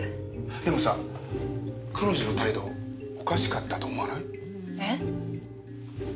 でもさ彼女の態度おかしかったと思わない？え？